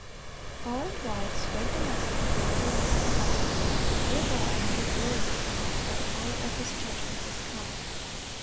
Far and wide spread the message of the everlasting gospel, "Fear God, and give glory to Him; for the hour of His judgment is come."